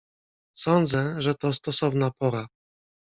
"Sądzę, że to stosowna pora."